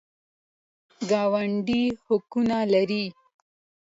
ګاونډي حقونه لري